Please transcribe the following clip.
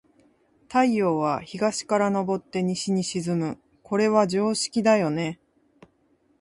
太陽は、東から昇って西に沈む。これは常識だよね。